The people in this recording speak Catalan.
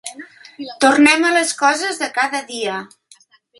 Tornem a les coses de cada dia.